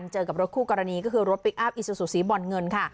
เจอกับรถคู่กรณีก็คือรถพลิกอัพอิซูซูสีบ่อนเงินค่ะ